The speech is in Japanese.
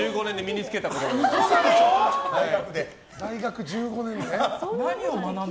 大学１５年で？